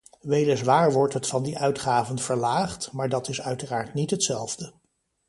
Weliswaar wordt het van die uitgaven verlaagd, maar dat is uiteraard niet hetzelfde.